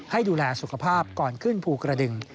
ให้ดูแลสุขภาพก่อนขึ้นภูกระดึง